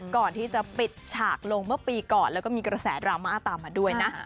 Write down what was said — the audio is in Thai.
ก่อนที่จะปิดฉากลงเมื่อปีก่อนแล้วก็มีกระแสดราม่าตามมาด้วยนะ